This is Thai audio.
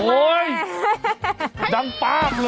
โอ้ยดังปากเลยอ่ะ